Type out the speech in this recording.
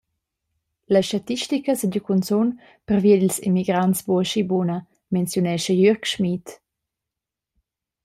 La statistica seigi cunzun pervia dils emigrants buc aschi buna, menziunescha Jürg Schmid.